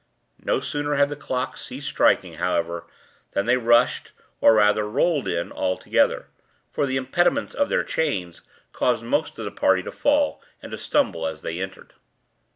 No sooner had the clock ceased striking, however, than they rushed, or rather rolled in, all together—for the impediments of their chains caused most of the party to fall, and all to stumble as they entered.